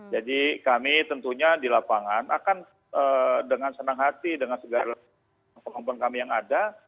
jadi kami tentunya di lapangan akan dengan senang hati dengan segala kemampuan kami yang ada